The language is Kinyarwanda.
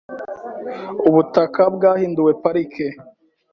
Ubutaka bwahinduwe parike .